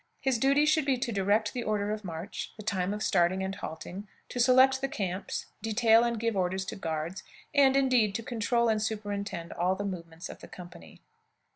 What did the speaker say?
His duty should be to direct the order of march, the time of starting and halting, to select the camps, detail and give orders to guards, and, indeed, to control and superintend all the movements of the company.